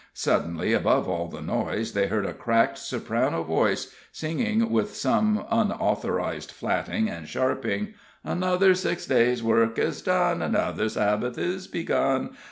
Suddenly, above all the noise, they heard a cracked soprano voice singing with some unauthorized flatting and sharping: "Another six days' work is done, Another Sabbath is begun.